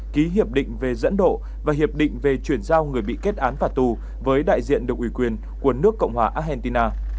ký hiệp định về dẫn độ và hiệp định về chuyển giao người bị kết án phạt tù với đại diện được ủy quyền của nước cộng hòa argentina